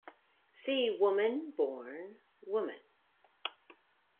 See Womyn-born womyn.